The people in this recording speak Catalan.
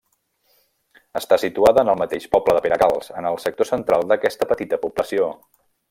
Està situada en el mateix poble de Peracalç, en el sector central d'aquesta petita població.